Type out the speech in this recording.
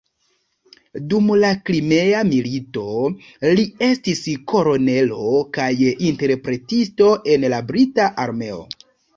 Dum la Krimea milito li estis kolonelo kaj interpretisto en la brita armeo.